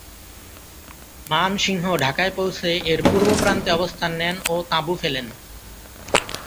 মান সিংহ ঢাকায় পৌছে এর পূর্ব প্রান্তে অবস্থান নেন ও তাঁবু ফেলেন।